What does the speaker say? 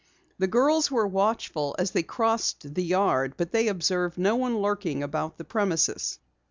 The girls were watchful as they crossed the yard, but they observed no one lurking about the premises.